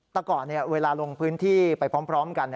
แต่ก่อนเวลาลงพื้นที่ไปพร้อมกัน